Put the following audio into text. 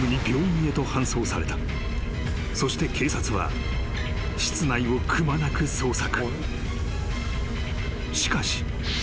［そして警察は室内をくまなく捜索］